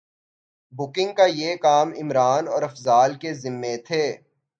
booking کا یہ کام عمران اور افضال کے ذمے تھے